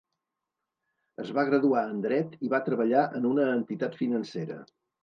Es va graduar en Dret i va treballar en una entitat financera.